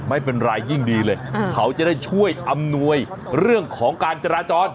ไม่เป็นไรยิ่งดีเลยเขาจะได้ช่วยอำนวยเรื่องของการจราจร